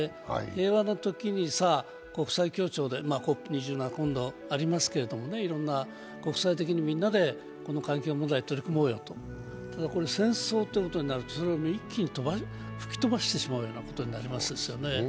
平和なときに、さあ国際協調でＣＯＰ２７がありますが、いろんな国際的にみんなで環境問題に取り組もうよと、ただ、戦争ということになるとそれを一気に吹き飛ばしてしまうことになりますよね。